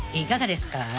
いかがですか？］